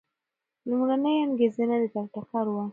لومړنۍ انګېرنه د ټکر وه.